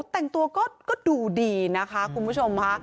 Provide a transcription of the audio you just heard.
แต่งตัวก็ดูดีนะคะคุณผู้ชมค่ะ